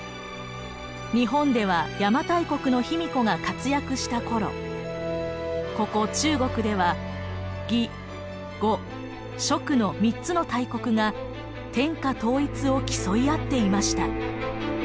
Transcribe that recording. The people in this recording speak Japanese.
日本では邪馬台国の卑弥呼が活躍した頃ここ中国では魏呉蜀の３つの大国が天下統一を競い合っていました。